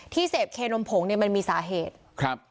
ที่เสพเคนมพงค์มันมีสาเหตุครับ